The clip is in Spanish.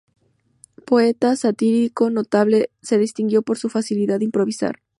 Poeta satírico notable, se distinguió por su facilidad en improvisar.